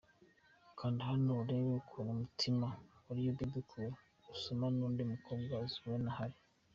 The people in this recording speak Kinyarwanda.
Kanda hano urebe ukuntu umutima wariye Bebe Cool ,asomana n’undi mukobwa Zuena ahari!!!!!!.